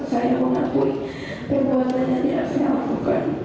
saya mengakui perbuatan yang tidak saya lakukan